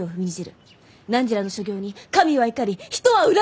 汝らの所業に神は怒り人は恨む。